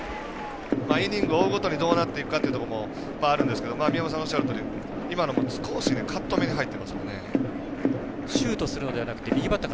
イニングを追うごとにどうなっていくかもあるんですが宮本さん、おっしゃるとおり今のも少しカット目に入っていますね。